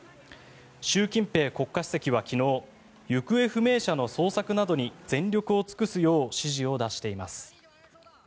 習近平国家主席は昨日行方不明者の捜索などに全力を尽くすよう指示を出しています。